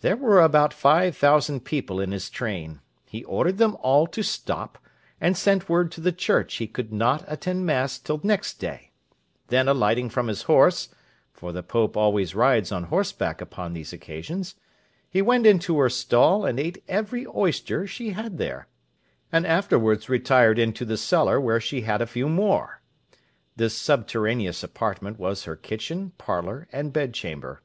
There were about five thousand people in his train; he ordered them all to stop, and sent word to the church he could not attend mass till next day; then alighting from his horse (for the Pope always rides on horseback upon these occasions) he went into her stall, and ate every oyster she had there, and afterwards retired into the cellar where she had a few more. This subterraneous apartment was her kitchen, parlour, and bed chamber.